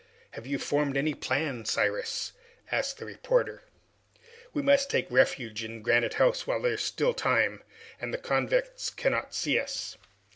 "Have you formed any plan, Cyrus?" asked the reporter. "We must take refuge in Granite House while there is still time, and the convicts cannot see us."